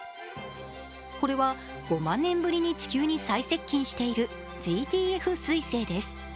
これは５万年ぶりに地球に最接近しているＺＴＦ彗星です。